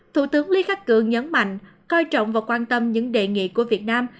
thủ tướng lý khắc cường nhấn mạnh coi trọng và quan tâm những đề nghị của việt nam